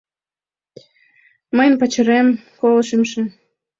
— Мыйын пачерем — коло шымше.